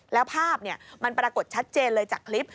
แล้วภาพมันปรากฏชัดเจนเลยจากคลิป